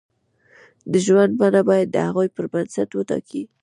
د ژوند بڼه باید د هغو پر بنسټ وټاکي.